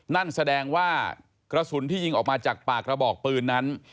นั่นแสดงว่ากระสุนที่ยิงออกมาจากปากกระบอกปืนนั้น